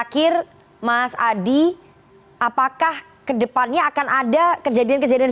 kedepannya akan ada kejadian kejadian